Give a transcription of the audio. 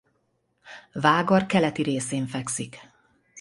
Vágar keleti részén fekszik.